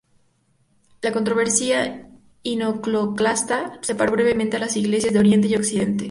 La controversia iconoclasta separó brevemente a las iglesias de Oriente y Occidente.